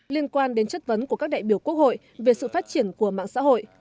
liên quan đến chất vấn của các đại biểu quốc hội về sự phát triển của mạng xã hội